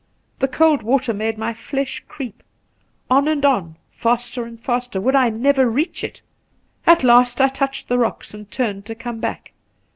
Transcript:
The cold water made my flesh creep. On and on, faster and faster; would I never reach it? At last I touched the rocks and turned to come back.